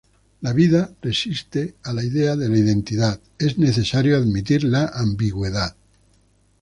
La vida resiste a la idea de la identidad, es necesario admitir la ambigüedad.